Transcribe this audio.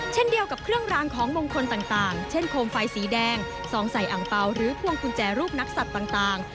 เช่นเดียวกับเครื่องรางของมงคลต่างเช่นโคมไฟสีแดงซองใส่อังเปล่าหรือพวงกุญแจรูปนักสัตว์ต่าง